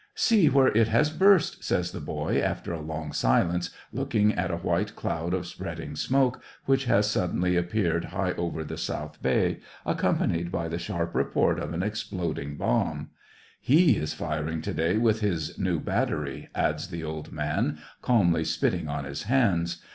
See where it has burst !" says the boy, after a long silence, looking at a white cloud of spread ing smoke which has suddenly appeared high over the South Bay, accompanied by the sharp report of an exploding bomb. ^' He is firing to day with his new battery," adds the old man, calmly spitting on his hands.